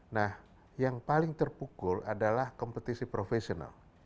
nah yang paling terpukul adalah kompetisi profesional